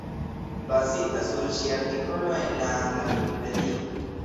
Bazita sur ŝia artikolo en la angla Vikipedio.